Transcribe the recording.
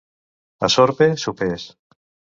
A Sorpe, sopers.